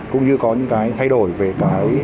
cũng như có những cái thay đổi về cái